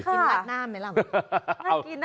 กินหลักน้ำไหมล่ะ